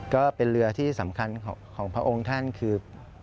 ก็เป็นเรือที่สำคัญของพระองค์ท่านคือ